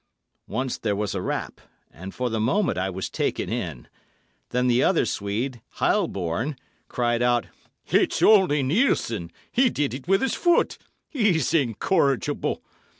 Once there was a rap, and for the moment I was taken in. Then the other Swede, Heilborn, cried out, "It's only Nielssen. He did it with his foot; he's incorrigible!"